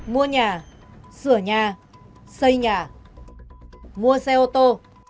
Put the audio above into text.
mua nhà sửa nhà xây nhà mua xe ô tô